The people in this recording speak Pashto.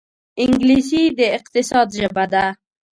انګلیسي د اقتصاد ژبه ده